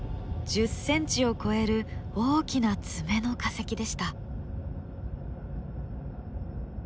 １０ｃｍを超える大きな爪の化石でした。